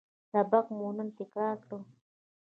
سبق مو نن تکرار کړ